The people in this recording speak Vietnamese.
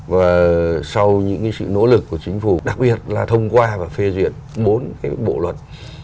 và sau những cái sự nỗ lực của chính phủ đặc biệt là thông qua và phê duyệt bốn cái bộ luật